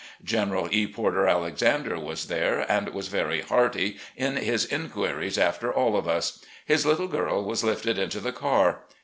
General E. Porter Alexander was there, and was very hearty in his inquiries after all of us. His little girl was lifted into the car.